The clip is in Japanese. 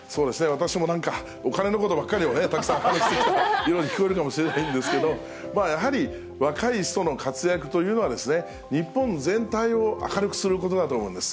私もなんか、お金のことばっかりをたくさん話してきたように聞こえるかもしれないんですが、やはり、若い人の活躍というのは、日本全体を明るくすることだと思うんです。